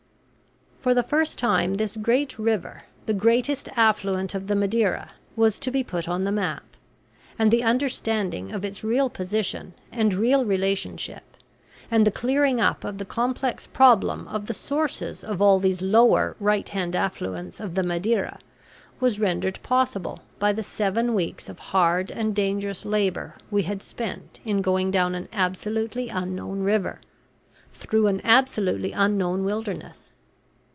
For the first time this great river, the greatest affluent of the Madiera, was to be put on the map; and the understanding of its real position and real relationship, and the clearing up of the complex problem of the sources of all these lower right hand affluents of the Madiera, was rendered possible by the seven weeks of hard and dangerous labor we had spent in going down an absolutely unknown river, through an absolutely unknown wilderness.